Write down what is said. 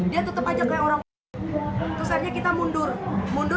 dia tanya mas apa mas mas ada orang sakit mas kalau gak percaya buka aja mobil kita